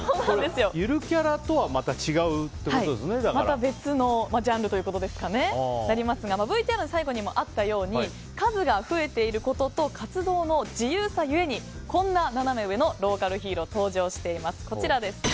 ゆるキャラとはまた別のジャンルということになりますがＶＴＲの最後にもあったように数が増えていることと活動の自由さゆえにこんなナナメ上のローカルヒーローが登場しています。